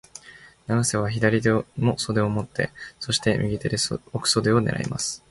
永瀬は左手も襟を持って、そして、右手で奥襟を狙います。